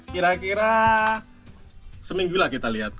kira kira seminggu lah kita lihat